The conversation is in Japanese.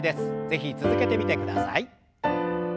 是非続けてみてください。